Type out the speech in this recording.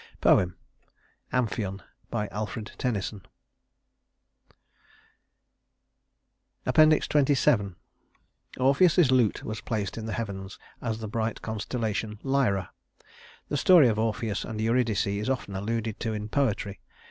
Poem: Amphion ALFRED TENNYSON XXVII Orpheus's lute was placed in the heavens as the bright constellation Lyra. The story of Orpheus and Eurydice is often alluded to in poetry.